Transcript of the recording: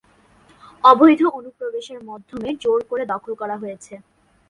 অবৈধ অনুপ্রবেশের মাধ্যমে জোর করে দখল করা হয়েছিল।